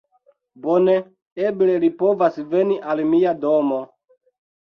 Bone! Eble li povas veni al mia domo!